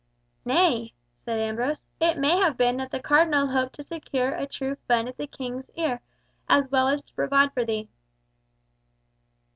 "Nay," said Ambrose, "it may have been that the Cardinal hoped to secure a true friend at the King's ear, as well as to provide for thee."